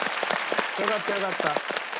よかったよかった。